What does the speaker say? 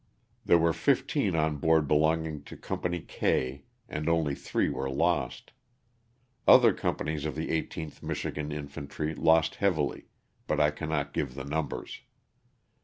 There were fifteen on board belonging to Company K, and only three were lost. Other companies of the 18th Michigan Infantry lost heavily, but I cannot give the numbers.